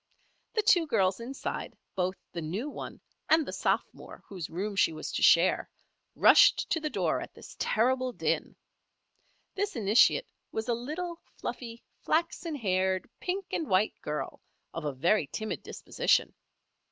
The two girls inside, both the new one and the sophomore whose room she was to share, rushed to the door at this terrible din. This initiate was a little, fluffy, flaxen haired, pink and white girl, of a very timid disposition.